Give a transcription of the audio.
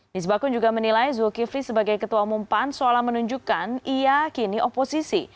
nisbakun juga menilai zulkifli sebagai ketua umum pan seolah menunjukkan ia kini oposisi